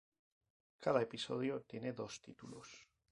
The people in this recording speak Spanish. Cada episodio tiene dos títulos.